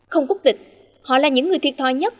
không quốc tịch họ là những người thiệt thòi nhất